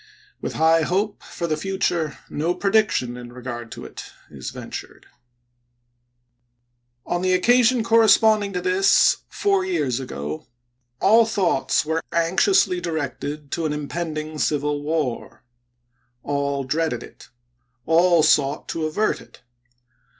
With high hope for the future, no prediction in regard to it is ventured. On the occasion corresponding to this four years ago, all thoughts were anxiously directed to an impending civil war. All dreaded it — all sought to avert it.